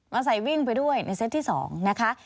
ใส่วิ่งไปด้วยในเซตที่๒นะคะ